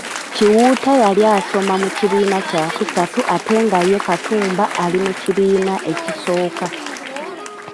Kiwutta yali asoma mu kIbiina kya kusatu ate nga ye Katumba ali mu kibiina ekisooka.